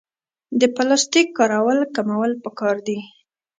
د پلاستیک کارول کمول پکار دي